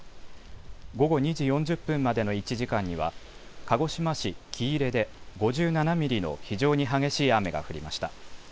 午後２時４０分までの１時間には鹿児島市喜入で５７ミリの非常に激しい雨が降りました。